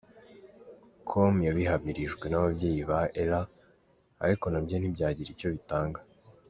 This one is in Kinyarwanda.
com yabihamirijwe n’ababyeyi ba Ella ariko nabyo ntibyagira icyo bitanga.